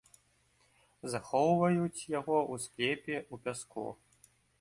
Захоўваюць яго ў склепе ў пяску.